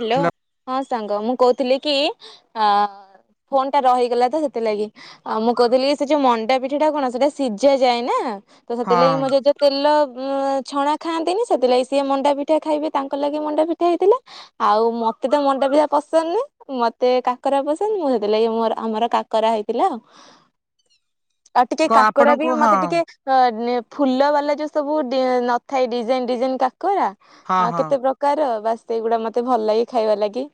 Hello, ହଁ ସାଙ୍ଗ ମୁଁ କହୁଥିଲି କି ଆ। ଫୋନ ଟା ରହିଗଲା ତ ସେଥିଲାଗି। ଆଉ ମୁଁ କହୁଥିଲି ସେ ଯୋଉ ମଣ୍ଡା ପିଠିଟା କଣ ସେଟା ସିଜା ଯାଏ ନା ତ ସେଥିଲାଗି ହଁ ମୋ ଜେଜ। ତେଲ ଛଣା ଖାଆନ୍ତିନି, ସେଥିଲାଗି ସିଏ ମଣ୍ଡା ପିଠା ଖାଇବେ ତାଙ୍କ ଲାଗି ମଣ୍ଡା ପିଠା ହେଇଥିଲା। ଆଉ ମତେ ତ ମଣ୍ଡା ପିଠା ପସନ୍ଦ ନୁହେ। ମତେ କାକରା ପସନ୍ଦ, ମୁଁ ସେଥିଲାଗି ମୋ ଆମର କାକରା ହେଇଥିଲା ଆଉ। ଆଉ ଟିକେ କ କାକରା ବି ଆପଣଙ୍କୁ ହଁ ମତେ ଟିକେ। ହ ଫୁଲ ବାଲା ଯୋଉ ସବୁ ନଥାଏ ଡିଜାଇନ ଡିଜାଇନ କାକରା ହଁ ଆ ହଁ କେତେ ପ୍ରକାର। କାର ବାସ୍ ସେଇଗୁଡା ମତେ ଭଲ ଲାଗେ ଖାଇବା ଲାଗି।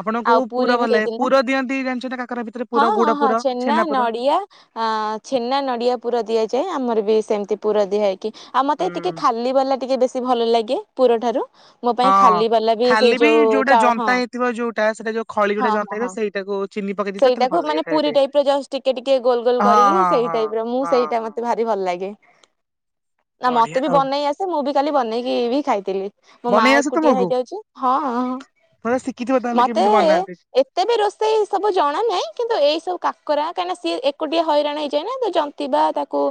ଆପଣଙ୍କୁ ଆଉ କୋଉ ପୁରୀ ପୁର ବି ଭଲ ଲାଗେ ହେଇଥିଲା। ପୁର ଦିଅନ୍ତି ଜାଣିଛନ୍ତି କାକରା ଭିତରେ ହଁ ପୁର ଗୁଡ ହଁ ହଁ ପୁର ଛେନା, ପୁର ନଡିଆ। ହ ଛେନା, ନଡିଆ ପୁର ଦିଆଯାଏ ଆମର ବି ସେମିତି। ପୁର ଦିଆ ହେଇକି ଆଉ ହୁଁ ମତେ ଟିକେ ଖାଲି ବାଲା ଟିକେ ବେଶୀ ଭଲ ଲାଗେ ପୁର ଠାରୁ। ମୋ ପାଇଁ ହଁ। ଖାଲି ବାଲା। ସେଇ ଖାଲି ବି ଯୋଉ ଯୋଉଟା ଚା ହଁ ଜନ୍ତା ହେଇଥିବ ଯଉଟା ସେଟା ଯୋଉ ଖଳି ଯୋଉଟା ହଁ ଜନ୍ତା ହଁ ହେଇଥିବ ହଁ ସେଇଟାକୁ ଚିନି ପକେଇ ଦେଇଥ। ସେଇଟାକୁ ମାନେ ପୁରୀ ଟାଇପ ର ଜଷ୍ଟ ଟିକେ ଟିକେ ଗୋଲ ଗୋଲ ହଁ କରିକି ହଁ ସେଇ ହଁ ଟାଇପ ର ମୁଁ ହଁ ସେଇଟା ହଁ ମତେ। ଭାରି ଭଲ ଲାଗେ। ନା ବଢିଆ ମତେ ବି ଆଉ ବନେଇ ଆସେ ମୁଁ ବି କାଲି ବନେଇକି ବି ଖାଇଥିଲି। ମୋ ମା ବନେଇ ଆସେ ଏକୁଟିଆ ତମକୁ? ହେଇଯାଉଚି, ହଁ ଥରେ ଶିଖିଥିବ ତାହେଲେ ମତେ। କେମିତି ବନାନ୍ତି। ଏତେ ବି ରୋଷେଇ। ସବୁ ଜଣା ନାହିଁ କିନ୍ତୁ ଏଇ ସବୁ କାକରା କାହିଁକିନା ସିଏ ଏକୁଟିଆ ହଇରାଣ ହେଇଯାଏ ନା ତ ଜନ୍ତିବା ତାକୁ।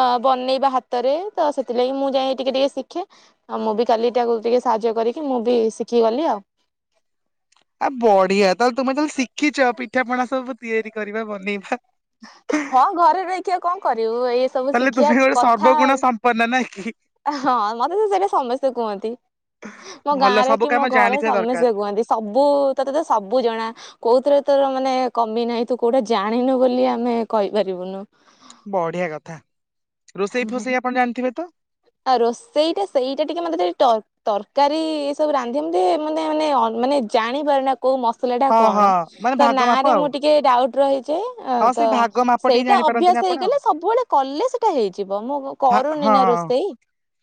ଅ ବନେଇବା ହାତରେ ତ ସେଥିଲାଗି ମୁଁ ଯାଇ ଟିକେ ଟିକେ ଶିଖେ। ଆଉ ମୁଁ ବି କାଲି ତାକୁ ଟିକେ ସାହାଯ୍ୟ କରିକି ମୁଁ ବି ଶିଖି ଗଲି ଆଉ। ଆ ବଢିଆ, ତାହେଲେ ତୁମେ ତାହେଲେ ଶିଖିଚ ପିଠାପଣା ସବୁ ତିଆରି କରିବା ବନେଇବା। ହଁ, ଘରେ ରହିକି ଆଉ କଣ କରିବୁ ଏଇ। ସବୁ ତାହେଲେ ଶିଖିବା ତୁମେ ଗୋଟେ କଥା ଆଉ ସର୍ବଗୁଣା ସଂପନ୍ନା ନାହି କି। ହଁ, ମତେ ତ ସେଟା ସମସ୍ତେ କୁହନ୍ତି। ମୋ ଭଲ ଗାଁରେ ସବୁ କି କାମ ମୋ ଘରେ ଜାଣିଥିବା ଦରକାର ସମସ୍ତେ କୁହନ୍ତି। ସବୁ ତୋତେ ତ ସବୁ ଜଣା। କୋଉଥିରେ ତୋର ମାନେ କମି ନାହିଁ। ତୁ କୋଉଟା ଜାଣିନୁ ବୋଲି ଆମେ କଇପାରିବୁନୁ। ବଢିଆ କଥା ରୋଷେଇ ଫୋଷେଇ ଆପଣ ଜାଣିଥିବେ ତ? ଆଉ ରୋଷେଇଟା ସେଇଟା ଟିକେ ମତେ ଟିକେ ଟ। ତରକାରୀ ଏ ସବୁ ରାନ୍ଧି ମୁନ୍ଧି ମତେ ମାନେ ମାନେ ଜାଣିପାରେନା। କୋଉ ମସଲା ଟା ହଁ କଣ? ହଁ ମାନେ ତ ଭାଗ ନାଁ ମାପ ରେ ଆଉ ମୁଁ ଟିକେ ଡାଉଟ ରହିଯାଏ। ଅ ହଁ ତ ସେଇ ଭାଗ ମାପ ଟିକେ ସେଇଟା ଜାଣିପାରନ୍ତିନି ଅଭ୍ୟାସ ଆପଣ ଆଉ। ହେଇଗଲେ ସବୁବେଳେ କଲେ ସେଟା ହେଇଯିବ ମୁଁ। ହ କରୁନି ନା ହଁ। ରୋଷେଇ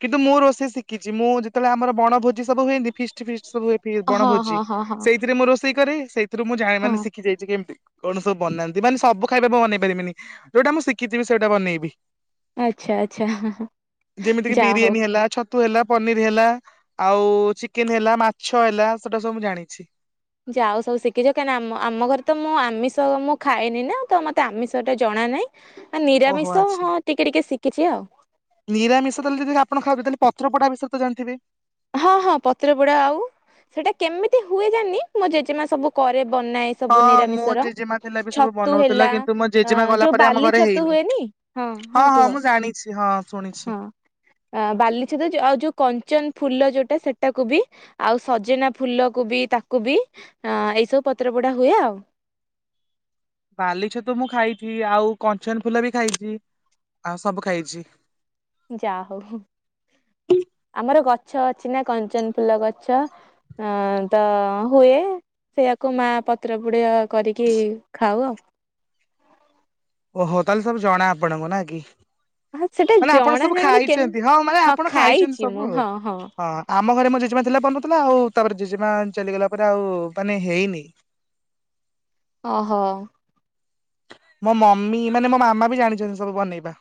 କିନ୍ତୁ ମୁଁ ରୋଷେଇ ଶିକିଚି। ମୁଁ ଯେତବଳେ ଆମର ବଣ ଭୋଜି ସବୁ ହୁଏନ୍ତି ଫିଷ୍ଟ ଫିଷ୍ଟ ସବୁ ହୁଏ। ସେ ହଁ ବଣଭୋଜି ହଁ ହଁ ହଁ ସେଇଥିରେ ମୁଁ ରୋଷେଇ କରେ ସେଇଥିରୁ ମୁଁ ଜାଣେ ହଁ ମାନେ ଶିଖେ। ଶିଖିଯାଇଛି କେମିତି କଣ ସବୁ ବନାନ୍ତି ମାନେସବୁ ଖାଇବା ମୁ ବନେଇ ପାରିବିନି, ଯଉଟା ମୁଁଶିଖିଥିବି ସେଇଟା ବନେଇିବି। ଆଚ୍ଛା ଆଚ୍ଛା। ଯେମିତି କି ଯାହା ହଉ। ବିରିୟାନୀ ହେଲା ଛ ତୁ ହେଲା ପନିର ହେଲା ଆଉ ଚିକେନ ହେଲା ମାଛ ହେଲା ସେଟା ସବୁ ମୁଁ ଜାଣିଛି। ଯାହଉ ସବୁ ଶିଖିଛ କାହିଁକିନା ଆମ ଆମ ଘରେ ତ ମୁଁ ଆମିଷ ମୁଁ ଖାଇନି ନା ତ ମତେ ଆମିଷ ଟା ଜଣା ନାହିଁ। ହଁ ଓହୋ ନିରାମିଷ ଆଚ୍ଛା। ହଁ ଟିକେ ଟିକେ ଶିଖିଛି ଆଉ। ନିରାମିଷ ତାହା ଲେ ଯଦି ଆପଣ ଖାଉଥିବେ ତାହେଲେ ପତ୍ର ପୋଡା ବିଷୟ ତ ଜାଥିବେ। ହଁ ହଁ ପତ୍ରପୋଡା ଆଉ ସେଟା କେମିତି ହୁଏ? ଜାଣିନୀ ମୋ ଜେଜେମା ସବୁ କରେ ବନାଏ। ସବୁ ହଁ ମୋ ନିରାମିଷର ଜେଜେମା ଥିଲା ବି ସବୁ ଛତୁ ବନଉଥିଲା ହେଲା କିନ୍ତୁ ମୁଁ ଅ ଜେଜେମା ଗଲା ଯୋଉ ପରେ ଆମ ବାଲି ଘରେ ଛତୁ ହେଇନି। ହୁଏନି ହଁ ହଁ ମୁଁ ଜାଣିଛି ହଁ ଶୁଣିଛି। ଆଁ ବାଲିଛେତୁ ଯ ଆଉ ଯୋଉ କଞ୍ଚନ ଫୁଲ ଯୋଉଟା ସେଟାକୁ ବି। ଆଉ ସଜନା ଫୁଲ କୁ ବି ତାକୁ ବି ଏଇ ସବୁ ପତ୍ର ପଡା ହୁଏ ଆଉ। ବାଲି ଛତୁ ମୁଁ ଖାଇଛି ଆଉ କଞ୍ଚନ ଫୁଲ ବି ଖାଇଛି ଆଉ ସବୁ ଖାଇଛି। ଯା ହଉ ଆମର ଗଛ ଅଛି ନା କଞ୍ଚନ ଫୁଲ ଗଛ। ହ ତ ହୁଏ। ସେଇଆାକୁ ମାଆ ପତ୍ର ପୁଡିଆ କରିକି ଖାଉ ଆଉ। ଓହୋ ତାହେଲେ ସବୁ ଜଣା ଆପଣଙ୍କୁ ନା କି! ଆଉ ସେଟା ମାନେ ଆପଣ ଜଣା ସବୁ ନାହିଁ ମାନେ କେମ୍ ଖାଇଛନ୍ତି ହଁ ମାନେ ଆପଣ ଖାଇଛନ୍ତି ଖାଇଛି ମୁଁ ସବୁଆଉ ହଁ ହଁ। ଆମ ଘରେ ମୋ ଜେଜେମା ଥିଲା ବନଉ ଥିଲା ଆଉ ତାପରେ ଜେଜେମା ଚାଲିଗଲା ପରେ ଆଉ ମାନେ ହେଇନି। ଅହ। ମୋ ମମି ମାନେ ମୋ ମାମା ବି ଜାଣିଛନ୍ତି ସବୁ ବନେଇବା।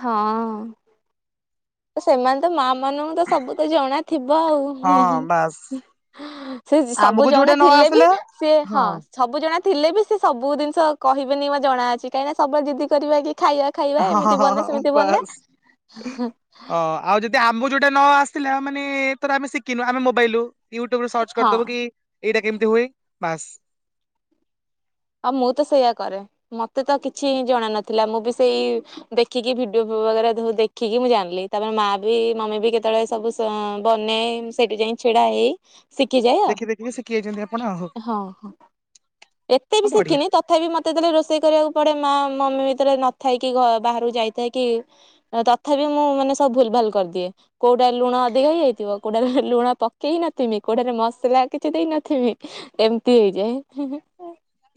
ହଁଅଁ। ସେମାନେ ତ ମା ମାନଙ୍କୁ ତ ସବୁ ତ ଜଣାଥିବ ଆଉହୁଁ ହୁଁ ହୁଁ। ହଁ ବାସ୍। ସେ ସବୁ ଆମକୁ ଯୋଉଟା ଜଣା ନ ଥିଲେ ବି ଆସିଲା ହଁ ସେହଁ। ସବୁ ଜଣ ଥିଲେ ବି ସ ସେ ସବୁ ଜିନିଷ କହିବେନି ମୋ ଜଣା ଅଛି। କାହିଁକି ନା ସବୁବେଳେ ଜିଦି କରିବା କି ଖାଇବାକୁ। ଖାଇବା ହଁ ହଁ ଏମିତି ବନା ହଁ ସେମିତି ବନା। ବାସ୍। ଅ ଆଉ ଯଦି ଆମୁକୁ ଯୋଉଟା ନ ଆସଥିଲା ମାନେ ଧର ଆମେ ଶିଖିନୁ ଆମେ ମୋବାଇଲୁ। ୟୁଟ୍ବୁ ବୁରୁ ସର୍ଚ୍ଚ ହଁ। କରିଦବୁ କି ଏଇଟା କେମିତି ହୁଏ ବାସ୍। ଆଉ ମୁଁ ତ ସେଇଆ କରେ ମତେ ତ କିଛି ଜଣ ନଥିଲା ମୁଁ ବି ସେଇ। ଦେଖିକି ଭିଡିଓ ଭଗେରା ଦେଖିକି ମୁଁ ଜାଣିଲି ତାପରେ ମା ବି ମମି ବି କେତେବେଳେ ସବୁ। ହଁ ବନେଇ ସେଠି ଯାଇ ଛିଡା ହେଇ ଶିଖିଯାଏ ଆଉ ଦେଖି ଦେଖିକି ଶିଖି ଯାଇଛନ୍ତି ଆପଣ ଆଉ। ହଁ ଏତେ ହଁ ବି ବଢିଆ ଶିଖିନି ତତେ ତଥାପି ମତେ ଯେତେବେଳେରୋଷେଇ କରିବାକୁ ପଡେ ମା ମମି ଭିତରେ ନଥଏ କି ବାହାରକୁ ଯାଇଥାଏ କି? ତଥାପି ମୁଁ ମାନେ ସବୁ ଭୁଲ ଭାଲ କରିଦିଏ। କୋଉଟାରେ ଲୁଣ ଅଧିକା ହେଇଯାଇଥିବ। କୋଉଟାରେ ଲୁଣ ପକେଇ ନଥିବି କୋଉଠାରେ ମସଲା କିଛି ଦେଇ ନଥିବି? ଏମିତି ହେଇଯାଏ।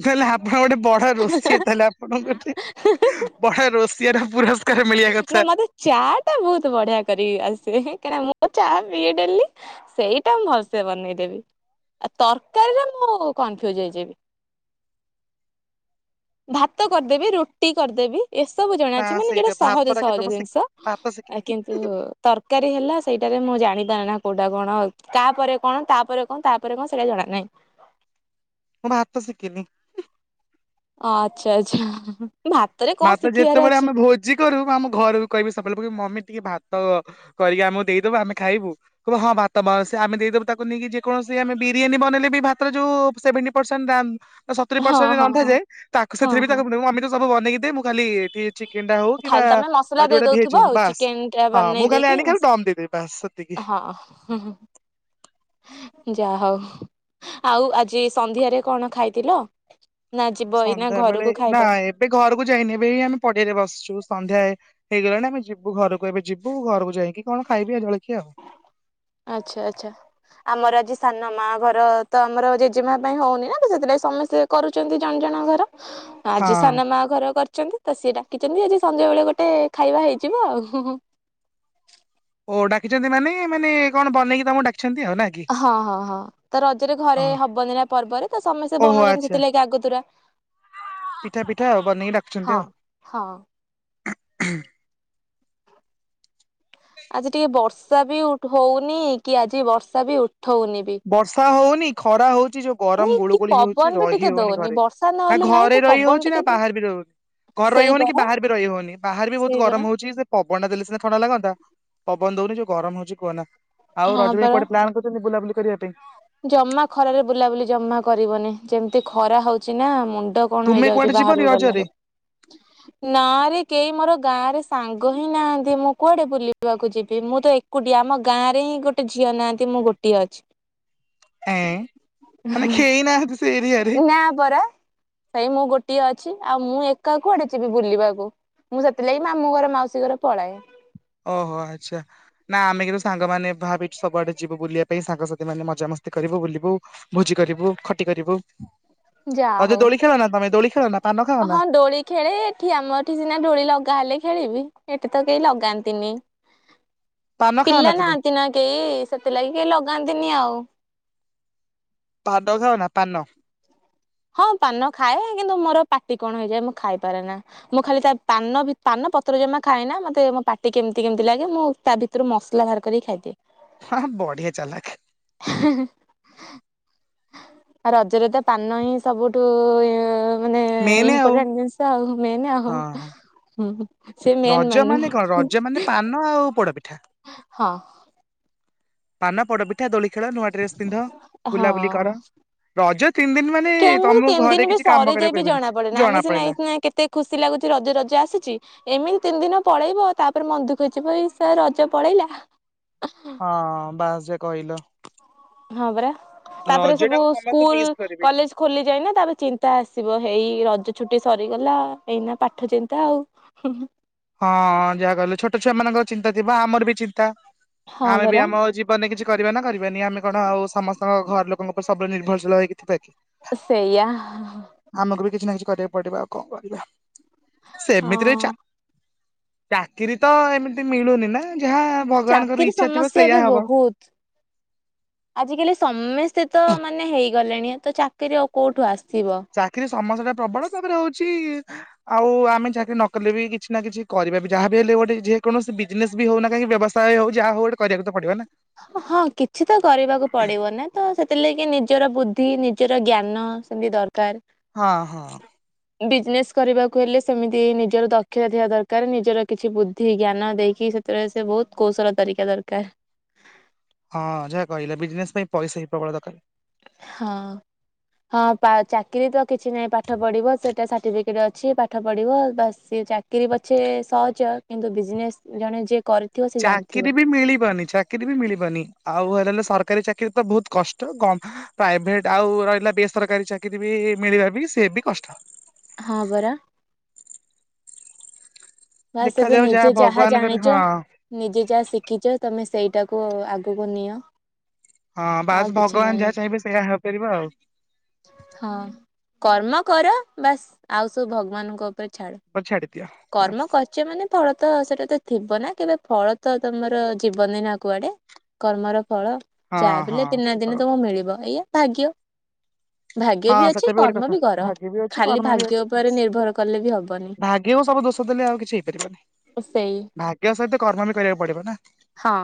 ନହେଲେ ଆପଣ ଗୋଟେ ବଡ ରୋଷିଆ ତାହେଲେ ଆପଣଙ୍କ ଗୋଟେ ବଡ ରୋଷିଆର ପୁରା ନା ମତେ ଚା ଟା ବହୁତ ବଢିଆ କରିକି ଆସେ କାହିଁକିନା ମୁଚା ପିଏଡେଲି। ସେଇଟା ମୁଁ ଭଲସେ ବନେଇଦେବି। ତରକାରୀରେ ମୁଁ କନଫ୍ୟୁଜ ହେଇଯିବି। ଭାତ କରିଦେବି ରୁଟି କରିଦେବି ଏସବୁ। ମାନେ ନା ଜଣାଅଛି ଯୋଉଟା ସେଇଟା ସହଜ ଭାତଟା କିନ୍ତୁ ସହଜ ମୁଁ ଜିନିଷ ଶିଖିନି ଭାତ ଶିଖିନି କିନ୍ତୁ ତରକାରୀ ହେଲା ସେଇଟାରେ ମୁଁ ଜାଣି ପାରି ନା କୋଉଟା କଣ। ତାପେର ରେ କଣ ତାପରେ କଣ ତାପରେ କଣ ସେଇଟା ଜଣା ନାହିଁ। ମୁଁ ଭାତ ଶଶିଖିନି। ଆଚ୍ଛା ଆଚ୍ଛା ଭା। ମା ତ ଯେତେବେଳେ ଆମେ ଭୋଜି କରୁ ଆମ ଘରକୁ କଇମି ସବଲପୁରୁ ମମି ଟିକେ ଭାତ। କରିକି ଆମୁକୁ ଦେଇଦବ ଆମେ ଖାଇବୁ। କଇବ ହଁ ଭାତ ବସ ଆମେ ଦେଇଦବୁ ତାକୁ ନେଇକି ଯେକୌଣସି ଆମେ ବିରିୟାନୀ ବନେଇଲେ ବି ଭାତରେ ଯୋଉ ସେଭେଣ୍ଟି ପରସେଣ୍ଟ ରାନ୍ ଅ ସତୁରି ହଁ ପରସେଣ୍ଟ ହଁ ହଁ। ରନ୍ଦାଯାଏ ତାକୁ ହଁ ସେଥିରେ ବି ହଁ ତାକୁ ବୁଲୋଉ ମମି ତୁ ସବୁ ବେନେଇକି ଦେ ମୁଁ ଖାଲି ଏଠି ଚି ଚିକେନ୍ ଟା ହୋଉ କିମ୍ବା ଖାଲି ତମେ ମସଲା ଦେଇ ଯୋଉଟା ଭେଜ୍ ଦଉଥିବ ହୋଉ ଆଉ ବାସ୍ ଚିକେନ ଟା ହଁ ବନେଇ ମୁଁ ଖାଲି ଦେଇକି ଆଣିକି ମସ ଆକୁ ଡମ୍ ଦେଇଦବି ବାସ୍। ସେତିକି। ହଁ ହୁଁ ହୁଁ। ଯାଆ ହୋଉ ଆଉ ଆଜି ସନ୍ଧ୍ୟାରେ କଣ ଖାଇଥିଲ? ନା ଯିବ ଏଇନା ସନ୍ଧ୍ୟା ବେଳେ ଘରୁକୁ ନା ଖାଇବ। ଏବେ ଘରକୁ ଯାଇନେଇଁ ଏବେ ଏଇ ଆମେ ପଡିଆରେ ବସିଛୁ ସନ୍ଧ୍ୟା ଏ ହେଇଗଲାଣି ଆମେ ଯିବୁ ଘରୁକୁ ଏବେ ଯିବୁ ଘରୁକୁ ଯାଇଁକି କଣ ଖାଇବି ଆ ଜଳଖିଆ ଆଉ। ଆଚ୍ଛା ଆଚ୍ଛା। ଆମର ଆଜି ସାନ ମା ଘର ତ ଆମର ଜେଜେମା ପାଇଁ ହୋଉନେଇଁ ନା ତ ସେଥିପାଇଁ ସମିସ୍ତେ କରୁଚନ୍ତି ଜଣ ଜଣ ଘର। ଆଜି ହଁ। ସାନ ମାଆ ଘର କରିଛନ୍ତି ତ ସିଏ ଡାକିଚନ୍ତି ଆଜି ସଞ୍ଜ ବେଳେ ଗୋଟେ ଖାଇବା ହେଇଯିବ ଆଉ। ଓ ଡାକିଛନ୍ତି ମାନେ ମାନେ କଣ ବନେଇକି ତାମକୁ ଡାକିଛନ୍ତି ଆଉ ନା? କି? ହଁ ହଁ ହଁ ତ ରଜରେ ଘରେ ଓହୋ ହବନି ନା ପର୍ବରେ ତ ସମେସ୍ତେ ଓହୋ ବନୋଉଛନ୍ତି ଆଚ୍ଛା ସେଥିଲାଗଗି ଆଗତୁରା। ପିଠା ପିଠା ଆଉ ବନେଇକି ଡଖୁଛନ୍ତି ହଁ ଆଉ। ହଁ। ଆଜି ଟିକେ ବର୍ଷା ବି ଉଠ ହୋଉନି କି ଆଜି ବର୍ଷା ବି ଉଠଉନି ବି। ବର୍ଷା ହୋଉନି ଖରା ହୋଉଛି ଯୋଉ ଗରମ ଦଉନି ଗୁଳୁ କି ଗୁଳି ହେଉଛି ପବନ ବି ରହି ଟିକେ ହେଉନି ଦଉନି ଘରେ। ବର୍ଷା ନା ନହେଲେ ନାହିଁ ଘରେ ତ ରହି ପବନ ହେଉଛି ନା ଟିକେ ଦଉ। ବାହାରେ ବି ରୋ ଘରେ ରହି ସେଇ ହୋଉନି କି ପରା ବାହାର ବି ରହିହୋଉନି। ବାହାରେ ବି ବୋହୁତ ସେଇ ପରା ଗରମ ହୋଉଛି ସେ ପବନ ଟା ଦେଲେ ସିନା ଥଣ୍ଡା ଲାଗନ୍ତା ପବନ ଦୋଉନେଇଁ ଯୋଉ ଗରମ ହୋଉଛି କୁହନା। ଆଉ ହଁ ରଜ ପାଇଁ ପରା କୁଆଡେ ପ୍ଲାନ କରିଚନ୍ତି ବୁଲାବୁଲି କରିବା ପାଇଁ? ଜମା ଖରାରେ ବୁଲାବୁଲି ଜମା କରିବନି ଯେମ୍ତି ଖରା ହୋଉଛି ନା ମୁଣ୍ଡ କଣ ତୁମେ ହେଇଯାଉଚି କୁଆଡେ ଯିବନି ବାହହାରୁକୁ ରଜରେ ଗଲାଏଳୁକୁ। ନାରେ କେହି ମୋର ଗାଁ ରେ ସାଙ୍ଗ ହିଁ ନାହାନ୍ତି ମୁଁ କୁଆଡେ ବୁଲିବାକୁ ଯିବି ମୁଁ ତ ଏ ଏକୁଟିଏ ଆମ ଗାଁରେ ହିଁ ଗୋଟେ ଝିଅ ନାହାନ୍ତି ମୁଁ ଗୋଟିଏ ଅଛି। ଏଁ ମାନେ କେହି ନାହାନ୍ତି ସେ ଏରିଆରେ। ନା ପରା୍ ସେଇ ମୁଁ ଗୋଟିଏ ଅଛି ଆଉ ମୁଁ ଏକା କୁଆଡେ ଯିବି ବୁଲିବାକୁ? ମୁଁ ସେଥିଲାଗି ମାମୁ ଘରେ ମାଉସୀ ଘରେ ପଳାଏ। ଓହୋ ଆଚ୍ଛା। ନା ଆମେ କିନ୍ତୁ ସାଙ୍ଗମାନେ ଭାବିଛୁ ସବୁଆଡେ ଯିବୁ ବୁଲିବା ପାଇଁ ସାଙ୍ଗସାଥି ମାନେ ମଜାମସ୍ତି କରିବୁ ବୁଲିବୁ। ଭୋଜି କରିବୁ ଖଟି କରିବୁ ଯାହା ଆଉ ହଉ ଯୋଉ ଦୋଳି ଖେଳ ନା ତମେ, ଦୋଳି ଖେଳ ନା ପାନ ଖାଅ ହଁ ନା? ଦୋଳି ଖେଳେ ଏଠି ଆମର ଏଠି ସିନା ଡୋଳି ଲଗା ହେଲେ ଖେଳିବି ଏଠି ତ କେଇଲଗାନ୍ତନି। ପାନ ଖାଅ ପିଲା ନା ତୁମେ? ନାହାନ୍ତି ନା କେଇ ସେଥିଲାଗି ଲାଗି କେହି ଲଗାନ୍ତିନି ଆଉ। ପାଦ ଖାଅନା ପାନ? ହଁ ପାନ ଖାଏ କିନ୍ତୁ ମୋର ପାଟି କଣ ହେଇଯାଏ ମୁଁ ଖାଇପାରେ ନା। ମୁଁ ଖାଲି ତା ପାନ ଭି ପାନ ପତ୍ର ଜମା ଖାଏନା। ମତେ ମୋ ପାଟି କେମ୍ତି କମ୍ତି ଲାଗେ ମୁଁ ତା ଭିତ ତୁରୁ ମସ୍ଲା ଭାର କରିକି ଖାଇଦିଏ। ହଁହଁ ବଢିଆ ଚାଲଖେ। ଆ ରଜରେ ତ ପାନ ହିଁ ସବୁଠୁ ଏଁ ମାନେ ମେନେ ଆଉ ଇମ୍ପୋଟାଣ୍ଟ ଡିନ୍ଷ ଆଉ ମେନେ ଆଉ। ହଁ। ହଁ ସେ ମେନ ରଜ ମନନୁ ମାନେ କଣ ରଜ ମାନେ ପାନ ଆଉ ପୋଡପିଠା ହଁ। ପାନ ପୋଡପିଠା ଦୋଳି ଖେଳ ନୂଆ ଡ୍ରେସ ପିନ୍ଧ। ବୁଲାବୁଲି କର ହଁ। ରଜ ତିନି ଦିନ ମାନେ କେମିତି ତମକୁ ତିନି ଘରେ ଦିନ ବି କିଛି କାମ ସରେ ଯାଇ କରିବାକୁ ବିି କହିବେନି। ଜଣା ପଡେନ ଆମେ ସିନା ପଡିଲା ସିନା କେତେ ଖୁସି ଲାଗୁଚି ରଜ ରଜ ଆସିଛି। ଏମିତି ତିନି ଦିନ ପଳେଇବ ତାପରେ ମନ୍ଦୁଖ ହେଇ ସ ରଜ ପଳେଇଲା। ହଁ ବାସ୍ ଯେ କହିଲ। ହଁ ପରା ତାପରେ ରଜ ସବୁ ଟାକୁ ସମସ୍ତେ ସ୍କୁଲ୍ ମିସ୍ କରିବେ। କଲେଜ୍ ଖୋଲି ଯାଇନା ତାର ଚିନ୍ତା ଆସିବ ହେଇ ରଜ ଛୁଟି ସରିଗଲା ଏଇନା ପାଠ ଚିନ୍ତା ଆଉ। ହୁଁ। ହଁ ଯାହା କହିଲ ଛୋଟ ଛୁଆ ମାନଙ୍କର ଚିନ୍ତା ଥିବ ଆମର ବି ଚିନ୍ତା ହଁ ଆମେ ବି ପରା ଆମ ହେଉଛି ବନେ କିଛି କରିବା ନାଁ କରିବାନି ଆମେ କଣ ଆଉ ସମସ୍ତେ ତା ଘର ଲୋକଙ୍କ ଉପ ସବୁବେଳେ ନିର୍ଭରଶୀଳ ହେଇକିଥିବା କି? ସେଇଆ ଆମକୁ ବି କିଛି ନାଁ କିଛି କରିବାକୁ ପଡିବ ଆଉ କଣ କରିବା ସେମିତିରେ ଚା ହଁ ଚାକିରି ତ ଏମିତି ମିଳୁନି ନାଁ ଯାହା ଭଗବାନଙ୍କର ଚାକିରି ଇଚ୍ଛା ଥିବ ସମସ୍ୟା ଏବେ ସେଇୟା ହବ। ବହୁତ ଆଜିକାଲି ସମସ୍ତେ ତ ମାନେ ହେଇଗଲେଣି ତ ଚାକିରି ଆଉ କୋଉଠୁ ଆସିବ। ଚାକିରି ସମସ୍ୟା ଟା ପ୍ରବଳ ତାପରେ ହଉଚି ଆଉ ଆମେ ଚାକିରି ନ କଲେ ବି କିଛି ନା କିଛି କରିବା ବି ଯାହାବି ହେଲେ ଗୋଟେ ଯେକୌଣସି ବି ଜିନେଶ୍ ବି ହଉ ନାଁ କାହିଁକି ବ୍ୟବସାୟ ହଉ ଯାହା ହଉ ଗୋଟେ କରିବାକୁ ତ ପଡିବ ନାଁ। ହଁ କିଛି ତ କରିବାକୁ ପଡିବ ନା ତ ସେଥିଲାଗି ନିଜର ବୁଦ୍ଧି ନିଜର ଜ୍ଞାନ ସେମିତି ଦର କାର। ହଁ ହଁ। ବିଜନେସ୍ କରିବାକୁ ହେଲେ ସେମିତି ନିଜର ଦକ୍ଷତା ଦେବା ଦରକାର ନିଜର କିଛି ବୁଦ୍ଧି ଜ୍ଞାନ ଦେଇକି ସେ ସେବେଳେ ସେ ବହୁତ୍ କୌଶଳ ତରିକା ଦରକାର। ହଁ ଯାହା କହିଲା ବିଜନେସ୍ ପାଇଁ ପଇସା ହି ପ୍ରବଳ ଦରକାର। ହଁ ହଁ ଚାକିରି ତ କିଛି ନାହିଁ ପାଠ ପଢିବ ସେଇଟା ସାଠିପିକ ଟେ ଅଛି ପାଠ ପଢ଼ିବ ବା ସ ଚାକିରରି ପଛେ ସହଜ କିନ୍ତୁ ବିଜନେସ୍ ଜଣେ ଯିଏ କରି ଚାକିରି ବି ମିଳିିବନି ଚାକି କିରି ବି ମିଳିବନି ଆଉ ହେଲେ ସରକାରୀ ଚାକିରୀ ତ ବହୁତ କଷ୍ଟ କ ପ୍ରାଇଭେଟ୍ ଆଉ ରହିଲା ବେସରକାରୀ ଚାକିରୀ ବି ମିଳିବା ବି ସେ ବି କଷ୍ଟ। ହଁ ପରା। ବାସ୍ ଏବେ ଦେଖାଯାଉ ନିଜେ ଯାହା ଭଗବାନଙ୍କର ହଁ ଜାଣିଚ? ନିଜେ ଯାହା ଶିଖିଚ ତମେ ସେଇଟାକୁ ଆଗକୁ ନିଅ। ହଁ ଆଉ ବାସ୍ କିଛି ଭଗବାନ ନାହିଁ ଯାହା ଚାହିଁବେ ସେଇଆ ହେପାରିବ ଆଉ। ହଁ କର୍ମ କର ବାସ୍ ଆଉ ସବୁ ଭଗବାନଙ୍କ ଉପରେ ଛାଡ। ଛାଡ଼ିଦିଅ କର୍ମ ବାସ୍। କରିଚ ମାନେ ଫଳ ତ ସେଇଟା ତ ଥିବ ନା କେବେ ଫଳ ତ ତମର ଜୀବନି ନାଁ କୁଆଡେ। କର୍ମର ଫଳ ହଁ ଯାହାବି ହେଲେ ହଁ ଦିନେ ନାଁ ସତ ଦିନେ କଥା ତମକୁ ମିଳିବ ଏଇଆ ଭାଗ୍ୟ। ଭାଗ୍ୟ ହଁ ବି ସେଟା ଅଛି ଗୋଟେ କର୍ମ କଥା ବି କର ଭାଗ୍ୟ ବି ଅଛି ଖାଲି କର୍ମ ବି ଭାଗ୍ୟ ଉପରେ ନିର୍ଭର କଲେ ବି ହବନି। କେଉଁ ସବୁ ଦୋଷ ଦେଲେ ଆଉ କିଛି ହେଇପାରିବାନି। ସେଇ ଭାଗ୍ୟ ସହିତ କର୍ମ ବି କରିବାକୁ ପଡିବ ନାଁ। ହଁ।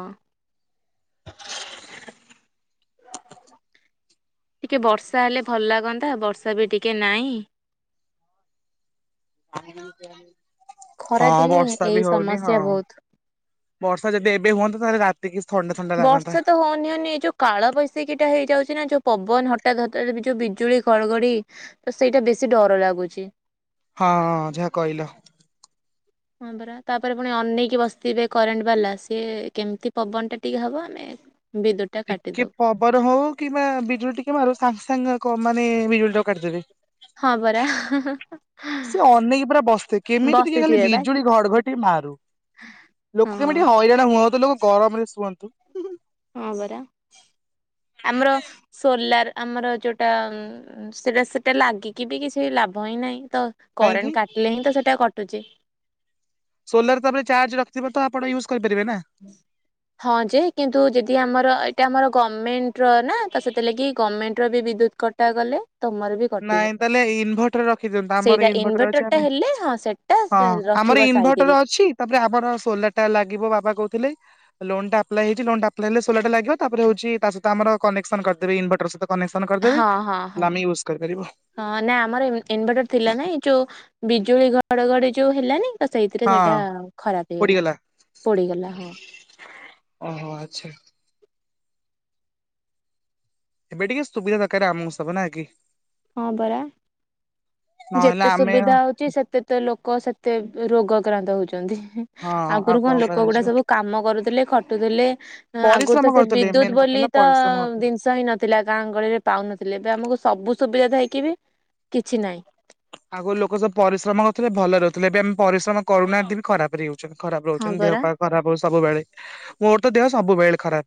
ଟିକେ ବର୍ଷା ହେଲେ ଭଲ ଲାଗନ୍ତା ବର୍ଷା ବି ଟିକେ ନାଇଁ। ଖରା ହଁ ଦିନେ ବର୍ଷା ଏଇ ବି ହଉନି ହଁ। ସମସ୍ୟା ବହୁତ। ବର୍ଷା ଯଦି ଏବେ ହୁନ୍ତା ତାହେଲେ ରାତ୍ ବର୍ଷା ତ ହଉନି ହଉନି ଏଇ ଯଉ କାଳ ବୈଶାଖୀ ଟା ହେଇଯାଉଛି ନା ଯୋଉ ପବନ ହଠାତ୍ ହଠାତ୍ ଯୋଉ ବିଜୁଳି ଘଡଘଡି ତ ସେଇଟା ବେଶୀ ଡର ଲାଗୁଛି। ହଁ ହଁ ଯାହା କହିଲ। ହଁ ପରା ତାପରେ ପୁଣି ଅନେଇକି ବସିଥିବେ କରେଣ୍ଟ ବାଲା ସିଏ କେମିତି ପବନଟା ଟିକେ ହେବ ଆମେ ବିଦ୍ୟୁତ୍ ଟିକେ ପବନ ହଉ କିମ୍ବା ବିଜୁଳି ଟିକେ ମାରୁ ସାଙ୍ଗେ ସାଙ୍ଗେ କ ମାନେ ବିଜୁଳି ଟା କାଟିିଦେବେ। ହଁ ପରା। ସେ ଅନେଇକି ପୁରା ବସିଥିବେ କେମିତି ଟିକେ ଖାଲି ବସିଥିବେ ବା ବିଜୁଳି ଘଡଘଡି ଟିକେ ମାରୁ। ହଁ ଲୋକ କେମିତି ଟିକେ ହଇରାଣ ହୁଅନ୍ତୁ ଲୋକ ଗରମରେ ଶୁଅନ୍ତୁ। ହଁ ପରା ଆମର ସୋଲାର ଆମର ଯୋଉଟା ସେଟା ସେଟା ଲାଗିକି ବି କିଛି ଲାଭ ହିଁ ନାହିଁ ତ କାହିଁକି କରେଣ୍ଟ କାଟିଲେ ହିଁ ତ ସେଇଟା କଟୁଛି। ସୋଲାର ତାପରେ ଚାର୍ଜ ରଖିଥିବ ତ ଆପଣ ୟୁଜ୍ କରିପାରିବ ନା। ହଁ ହଁ ଯେ କିନ୍ତୁ ଯଦି ଆମର ଏଇଟା ଆମର ଗଭର୍ଣ୍ଣମେଣ୍ଟ ର ନା ତ ସେଥିଲାଗି ଗଭର୍ଣ୍ଣମେଣ୍ଟ ର ବିଦ୍ୟୁତ କଟ ଟା ଗଲେ ତମର ବି କଟିବ। ନାଇଁ ତାହେଲେ ଇନଭଟର ରଖିଦିଅନ୍ତୁ ଆମର ସେଇଟା ଇନଭଟର ଅଛି ଇନଭଟରଟା ଆମେ ହେଲେ ହଁ ସେଟା ହଁ ଆମର ରଖିବ ଇନଭର୍ଟର ସାଇତିକି ଅଛି। ତାପରେ ଆମର ସୋଲାର ଟା ଲାଗିବ ବାବା କହୁଥିଲେ ଲୋନ୍ ଟା ଆପ୍ଲାଏ ହେଇଛି ଲୋନ୍ ଟା ଆପ୍ଲାଏ ହେଲେ ସୋଲାର ଟା ଲାଗ ତାପରେ ହଉଛି ତା ସହିତ ଆମର କନେକ୍ସନ କରିଦେବେ ଇନଭର୍ଟର ସହିତ କନେକ୍ସନ କରିଦେବେ ହଁ ହଁ ହଁ। ଆମେ ୟୁଜ୍ କରିପାରିବୁ। ହଁ ନା ଆମର ଇନଭର୍ଟର ଥିଲା ନାଇଁ ଯୋଉ ବିଜୁଳି ଘଡଘଡି ଯୋଉ ହେଲାନି ତ ସେଇଥିରେ ହଁ ସେଇଟା ଖରାପ ହେଇଗଲା ପୋଡିଗଲା। ପୋଡ଼ିଗଲା ହଁ। ଓହୋ ଆଚ୍ଛା। ଏବେ ଟିକେ ସୁବିଧା ଦରକାର ଆମକୁ ସବୁ ନା କି? ହଁ ପରା ନହେଲେ ଯେତେ ଆମେ ସୁବିଧା ହଉଛି ସେତେ ତ ଲୋକ ସେତେ ରୋଗକ୍ରାନ୍ତ ହଉଛନ୍ତି। ହଁ ଆଗରୁ ଆଉ କଣ ଲୋକ ଗୁଡା କରାଯିବ ସବୁ କାମ କରୁଥିଲେ ଖଟୁଥିଲେ। ଆଗରୁ ପରିଶ୍ରମ ତ ସେ କରୁଥିଲେ ବିଦ୍ୟୁତ ମେନ୍ କଥା ବୋଲି ହେଲା ତ ପରିଶ୍ରମ କରୁଥିଲେ। ଜିନିଷ ହିଁ ନ ଥିଲା ଗାଁ ଗହଳିରେ ପାଉନଥିଲେ ଏବେ ଆମକୁ ସବୁ ସୁବିଧା ଥାଇକି ବି କିଛି ନାହିଁ। ଆଗ ଲୋକ ସବୁ ପରିଶ୍ରମ କରୁଥିଲେ ଭଲ ରହୁଥିଲେ ଏବେ ଆମେ ପରିଶ୍ରମ କରୁନାହାନ୍ତି ବି ଖରାପ ରେଉ ଖରାପ ହଁ ରହୁଛନ୍ତି ଦେହ ପରା ପା ଖରାପ ହଉଚି ସବୁବେଳେ। ମୋର ତ ଦେହ ସବୁବେଳେ ଖରାପ।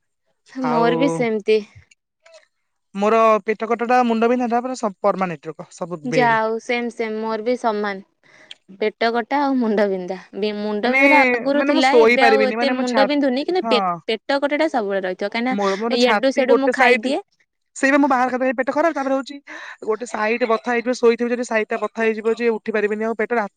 ମୋର ଆଉ ବି ସେମିତି ମୋର ପେଟ କଟା ଟା ମୁଣ୍ଡ ବିନ୍ଧା ଟା ପୁରା ସ ପରମାନେଟ ର। ଯାଆ ହଉ ସେମ ସେମ ମୋର ବି ସମାନ ପେଟ କଟା ଆଉ ମୁଣ୍ଡବନ୍ଧା। ମୁଣ୍ଡ ମାନେ ବିନ୍ଧୁା ଟା ଆଗରୁ ମାନେ ମୁଁ ଥିଲା ଶୋଇ ଏବେ ଆଉ ପାରିବିନି ଏତେ ମାନେ ମୋ ଛା ମୁଣ୍ଡ ବିନ୍ଧୁନି କିନ୍ତୁ ହଁ ପେ-ପେଟ କଟା ଟା ସବୁବେଳେ ରହିଛି। କାହିଁ ନା ମୋର ମୋର ଇଆଡୁ ଛାତି ସିଆଡୁ ଗୋଟେ ମୁଁ ସାଇଡ ଖାଇଦିଏ। ସେଇ ପା ମୁଁ ବାହାର ଖାଦ୍ୟ ଖାଇ ପେଟ ଖରାପ ତାପରେ ହଉଛି ଗୋଟେ ସାଇଟ ବଥା ହେଇଯିବ ଶୋଇଥିବି ଯଦି ସାଇଟା ବଥା ହେଇଯିବ ଯେ ଉଠି ପାରିବିନି ଆଉ ପେଟ ରାତିରେ